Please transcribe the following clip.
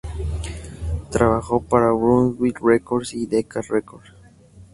Trabajó para Brunswick Records y Decca Records.